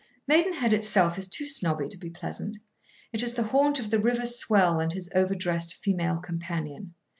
Maidenhead itself is too snobby to be pleasant. It is the haunt of the river swell and his overdressed female companion.